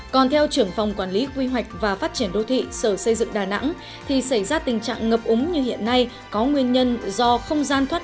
còn theo trưởng phòng quản lý quy hoạch và phát triển đô thị sở xây dựng đà nẵng thì xảy ra tình trạng ngập úng như hiện nay có nguyên nhân do không gian thoát